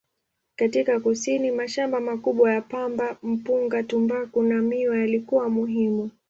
Katika kusini, mashamba makubwa ya pamba, mpunga, tumbaku na miwa yalikuwa muhimu.